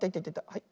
はい。